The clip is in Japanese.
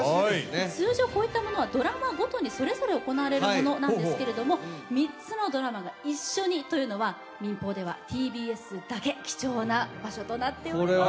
通常こういったものはドラマごとにそれぞれ行われるものなんですけれども、３つのドラマが一緒にというのは民放ではＴＢＳだけ、貴重な場所となっています。